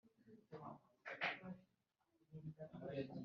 Gahunda yokuringaniza urubyaro iri kukigereranyo kiza cyane